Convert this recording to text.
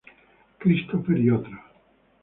Christopher et al.